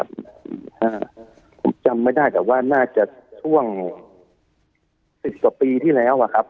ผมจำไม่ได้แต่ว่าน่าจะช่วงสิบกว่าปีที่แล้วอะครับ